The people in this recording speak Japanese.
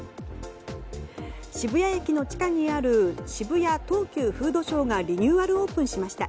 渋谷駅の地下にある渋谷東急フードショーがリニューアルオープンしました。